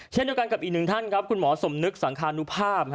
เช่นเดียวกันกับอีกหนึ่งท่านครับคุณหมอสมนึกสังคานุภาพ